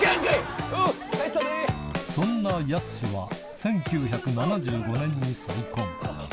そんなやすしは１９７５年に再婚。